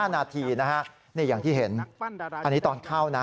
๑๐นาที๓๕นาทีอย่างที่เห็นอันนี้ตอนเข้า